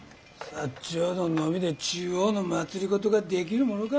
長土のみで中央の政ができるものか。